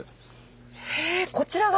へえこちらが！